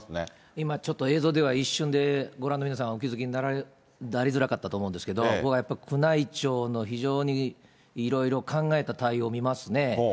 今ちょっと、映像では一瞬でご覧の皆さんはお気付きになりづらかったと思うんですけど、僕はやっぱり宮内庁の非常にいろいろ考えた対応を見ますね。